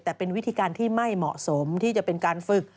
แต่เป็นวิธีการที่ไม่เหมาะสมที่จะเป็นการฝึก